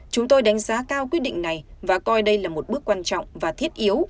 chúng tôi đánh giá cao quyết định này và coi đây là một bước quan trọng và thiết yếu